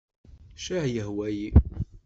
Ccah yehwa-yi.